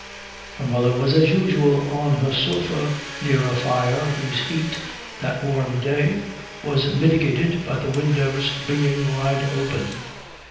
Her mother was as usual on her sofa near a fire whose heat, that warm day, was mitigated by the windows being wide open.